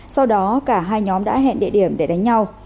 sau đó cả hai nhóm đã hẹn địa điểm để đánh nhau